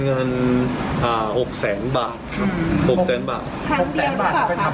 เงินอ่าหกแสนบาทครับหกแสนบาทหกแสนบาทไปทำ